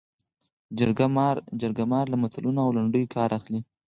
جرګه مار له متلونو او لنډیو کار اخلي